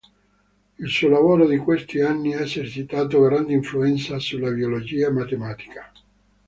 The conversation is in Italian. Il suo lavoro di questi anni ha esercitato grande influenza sulla biologia matematica.